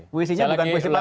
puisinya bukan puisi pamplet